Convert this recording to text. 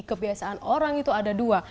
kebiasaan orang itu ada dua